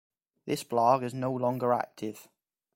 This blog is no longer active.